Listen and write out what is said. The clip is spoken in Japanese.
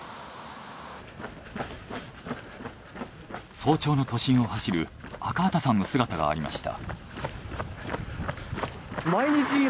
早朝の都心を走る赤畑さんの姿がありました。